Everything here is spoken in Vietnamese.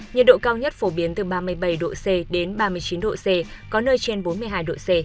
nhiệt độ cao nhất phổ biến từ ba mươi bảy độ c đến ba mươi chín độ c có nơi trên bốn mươi hai độ c